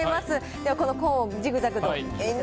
ではこのコーンをジグザグと。